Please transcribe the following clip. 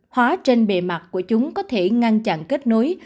hóa trên bề mặt của chúng có thể ngăn chặn kết nối